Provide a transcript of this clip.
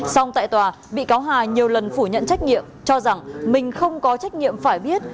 xong tại tòa bị cáo hà nhiều lần phủ nhận trách nhiệm cho rằng mình không có trách nhiệm phải biết